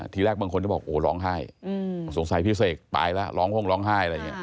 ทีแรกบางคนก็บอกโอ้ร้องไห้สงสัยพี่เสกไปแล้วร้องห้งร้องไห้อะไรอย่างนี้